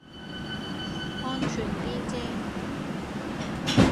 安全啲啫